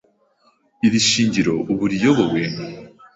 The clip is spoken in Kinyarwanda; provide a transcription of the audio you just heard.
Iri shingiro ubu riyobowe.